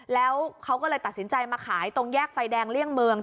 แล้วเขาก็เลยตัดสินใจมาขายตรงแยกไฟแดงเลี่ยงเมือง